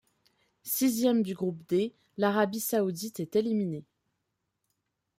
Sixième du Groupe D, l'Arabie saoudite est éliminée.